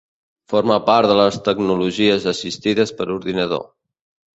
Forma part de les tecnologies assistides per ordinador.